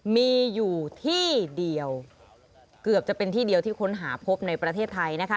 มีอยู่ที่เดียวเกือบจะเป็นที่เดียวที่ค้นหาพบในประเทศไทยนะคะ